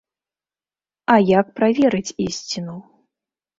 А як праверыць ісціну?